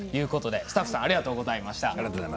スタッフさんありがとうございました。